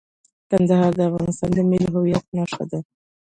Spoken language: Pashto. کندهار د افغانستان د ملي هویت نښه ده.